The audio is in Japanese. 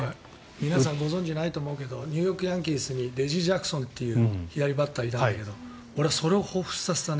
皆さんご存じないと思うけどニューヨーク・ヤンキースにレジー・ジャクソンという左バッターがいたんだけど俺はそれをほうふつさせたね。